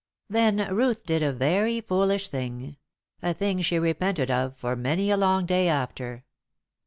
Then Ruth did a very foolish thing a thing she repented of for many a long day after.